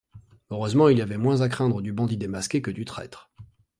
Heureusement, il y avait moins à craindre du bandit démasqué que du traître.